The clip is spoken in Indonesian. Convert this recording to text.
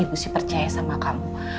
ibu sih percaya sama kamu